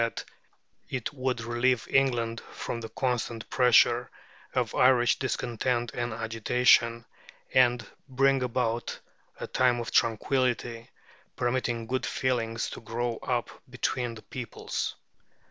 that it would relieve England from the constant pressure of Irish discontent and agitation, and bring about a time of tranquillity, permitting good feeling to grow up between the peoples.